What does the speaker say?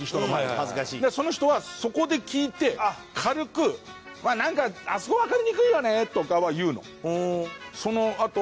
だからその人はそこで聞いて軽く「まあなんかあそこわかりにくいよね」とかは言うの。